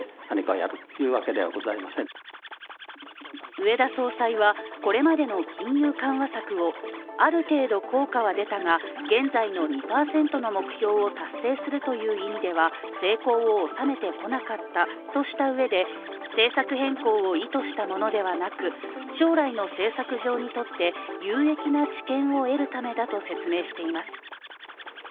植田総裁は、これまでの金融緩和策をある程度効果は出たが、現在の２％の目標を達成するという意味では成功を収めてこなかったとしたうえで、政策変更を意図したものではなく将来の政策上にとって有益な知見を得るためだと説明しています。